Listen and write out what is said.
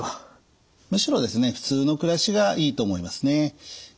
むしろですね普通の暮らしがいいと思いますね。